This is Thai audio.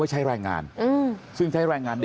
ลูกสาวหลายครั้งแล้วว่าไม่ได้คุยกับแจ๊บเลยลองฟังนะคะ